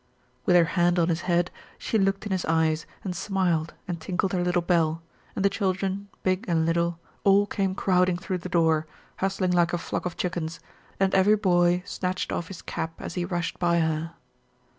With her hand on his head she looked in his eyes and smiled and tinkled her little bell, and the children, big and little, all came crowding through the door, hustling like a flock of chickens, and every boy snatched off his cap as he rushed by her.